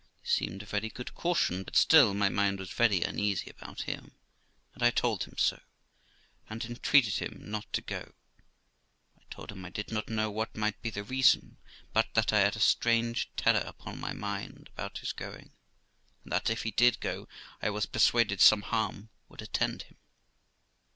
This seemed a very good caution ; but still my mind was very uneasy about him, and I told him so, and entreated him not to go. I told him I did not know what might be the reason, but that I had a strange terror upon my mind about his going, and that if he did go, I was persuaded some harm would attend him.